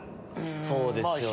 そうですよね。